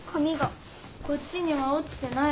こっちにはおちてないわよ。